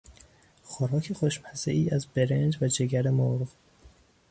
خوراک خوشمزهای از برنج و جگر مرغ